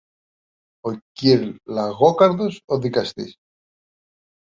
ο κυρ-Λαγόκαρδος ο δικαστής